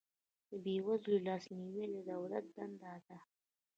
د بې وزلو لاسنیوی د دولت دنده ده